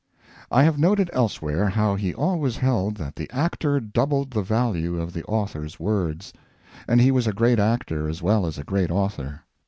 I have noted elsewhere how he always held that the actor doubled the value of the author's words; and he was a great actor as well as a great author.